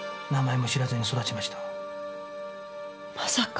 まさか。